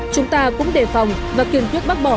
chúng ta cũng đề phòng và kiên quyết bác bỏ